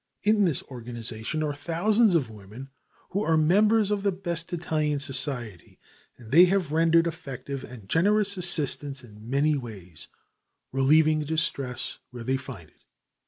In this organization are thousands of women who are members of the best Italian society, and they have rendered effective and generous assistance in many ways, relieving distress wherever they find it.